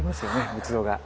仏像が。